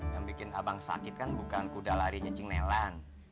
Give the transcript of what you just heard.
yang bikin abang sakit kan bukan kuda lari nyecing nelan